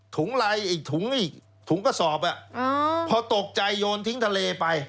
ไรอีกถุงอีกถุงกระสอบพอตกใจโยนทิ้งทะเลไป